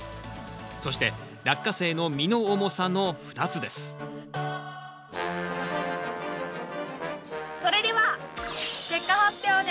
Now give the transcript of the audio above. そしてラッカセイの実の重さの２つですそれでは。